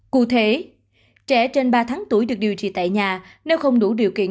cụ thể trẻ trên ba tháng tuổi được điều trị tại nhà nếu không đủ điều kiện chăm sóc